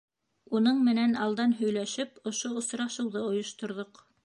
Уның менән алдан һөйләшеп ошо осрашыуҙы ойошторҙоҡ.